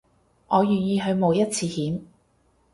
我願意去冒一次險